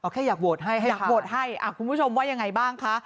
แค่อยากโหวตให้ให้อยากโหวตให้คุณผู้ชมว่ายังไงบ้างคะ